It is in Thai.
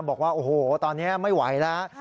บอกว่าโอ้โหตอนนี้ไม่ไหวแล้ว